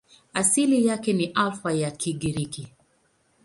Asili yake ni Alfa ya Kigiriki.